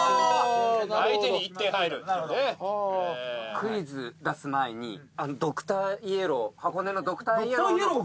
クイズ出す前にドクターイエロー箱根のドクターイエローが。